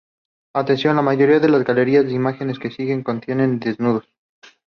Atención: "La mayoría de las galerías de imágenes que siguen contienen desnudos".